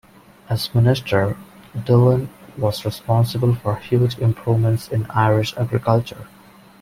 As Minister, Dillon was responsible for huge improvements in Irish agriculture.